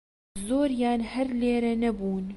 زۆریان هەر لێرە نەبوون